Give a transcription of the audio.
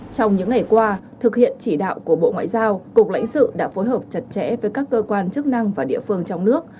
trong những ngày qua thực hiện chỉ đạo của bộ ngoại giao cục lãnh sự đã phối hợp chặt chẽ với các cơ quan chức năng và địa phương trong nước